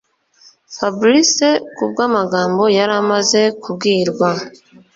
Fabric kubwamagambo yaramaze kubwirwa